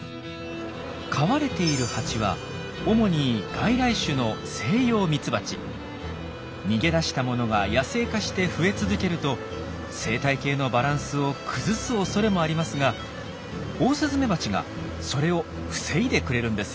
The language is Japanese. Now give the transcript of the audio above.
飼われているハチは主に逃げ出したものが野生化して増え続けると生態系のバランスを崩すおそれもありますがオオスズメバチがそれを防いでくれるんですよ。